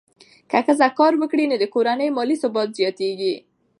که ښځه کار وکړي، نو د کورنۍ مالي ثبات زیاتېږي.